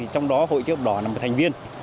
trong đó hội chữ thập đỏ là một thành viên